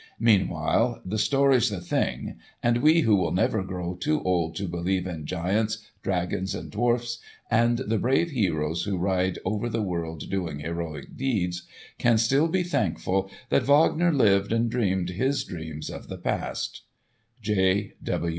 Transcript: Meanwhile "the story's the thing," and we who will never grow too old to believe in giants, dragons and dwarfs, and the brave heroes who ride over the world doing heroic deeds, can still be thankful that Wagner lived and dreamed his dreams of the past. J.